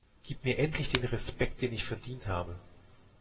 Gib mir endlich den Respekt den ich verdient habe!